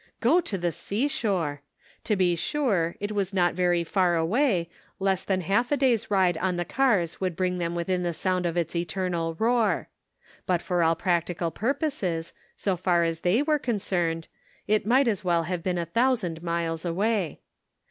Go to the seashore ! To be sure, it was not very far away, less than half a day's ride on the cars would bring them within the sound of its eternal roar ; but for all practical purposes, so far as they were concerned, it might as well have been a thousand miles away.